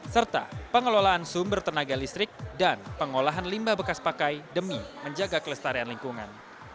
serta pengelolaan sumber tenaga listrik dan pengolahan limbah bekas pakai demi menjaga kelestarian lingkungan